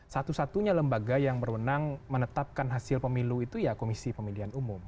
satu satunya lembaga yang berwenang menetapkan hasil pemilu itu ya komisi pemilihan umum